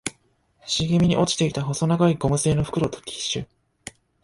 茂みに落ちていた細長いゴム製の袋とティッシュ